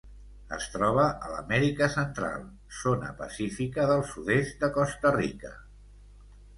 Es troba a l'Amèrica Central: zona pacífica del sud-est de Costa Rica.